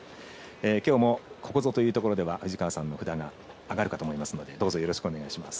きょうもここぞというところでは藤川さんの札が上がるかと思いますのでどうぞ、よろしくお願いします。